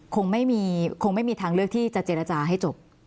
คงไม่มีทางเลือกที่จะเจรจาให้จบ